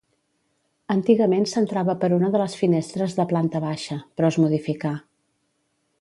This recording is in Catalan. Antigament s'entrava per una de les finestres de planta baixa, però es modificà.